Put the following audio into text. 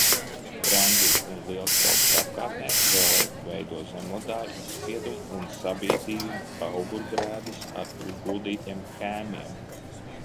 Brenguļu un Lielstraupes apkārtnē reljefu veido zemledāja izspieduma un sabīdījuma paugurgrēdas ar uzguldītiem kēmiem.